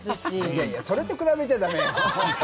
いやいやそれと比べちゃ駄目よ。